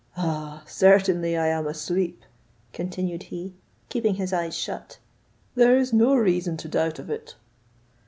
"Ah, certainly I am asleep!" continued he, keeping his eyes shut; "there is no reason to doubt of it."